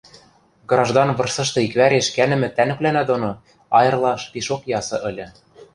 Граждан вырсышты иквӓреш кӓнӹмӹ тӓнгвлӓнӓ доно айырлаш пишок ясы ыльы.